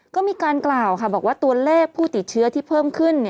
ก็มีการกล่าวค่ะบอกว่าตัวเลขผู้ติดเชื้อที่เพิ่มขึ้น